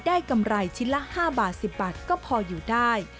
ได้กำไรที่ละ๕๑๐บาทก็พออยู่ได้